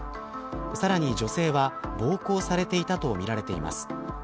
さらに、女性は暴行されていたとみられています。